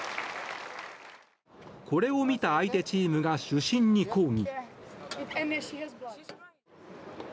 これを見た相手チームが主審に抗議。